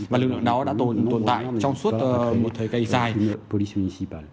và lực lượng đó đã tồn tại trong suốt một thời gây dài